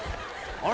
あれ？